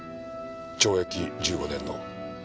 懲役１５年の。